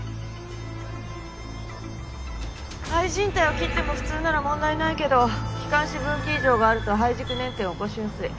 肺靱帯を切っても普通なら問題ないけど気管支分岐異常があると肺軸捻転を起こしやすい。